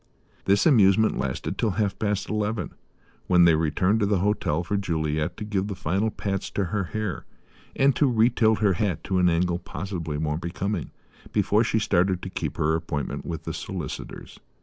This amusement lasted till half past eleven, when they returned to the hotel for Juliet to give the final pats to her hair, and to retilt her hat to an angle possibly more becoming, before she started to keep her appointment with the solicitors.